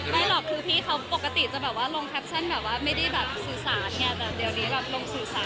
หรอกคือพี่เขาปกติจะแบบว่าลงแคปชั่นแบบว่าไม่ได้แบบสื่อสารไงแบบเดี๋ยวนี้แบบลงสื่อสาร